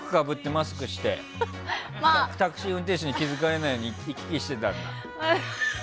じゃあ、帽子を深くかぶってマスクをしてタクシー運転手に気づかれないように行き来してたんだ。